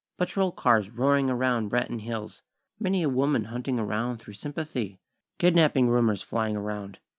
Patrol cars roaring around Branton Hills; many a woman hunting around through sympathy; kidnapping rumors flying around.